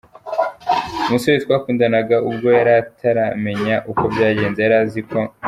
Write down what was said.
Umusore twakundanaga ubwo yari ataramenya uko byagenze yari aziko